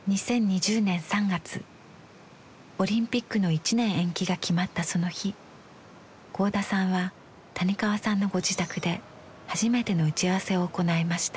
オリンピックの１年延期が決まったその日合田さんは谷川さんのご自宅で初めての打ち合わせを行いました。